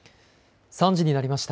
３時になりました。